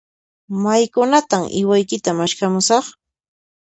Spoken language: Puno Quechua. Maykunantan uywaykita maskhamuwaq?